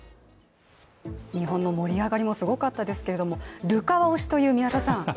日本の盛り上がりもすごかったですけれども、流川推しという宮田さん